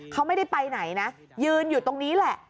เขาไม่ได้ไปไหนนะยืนอยู่ตรงนี้แหละ